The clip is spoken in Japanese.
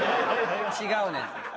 違うねん。